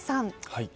はい。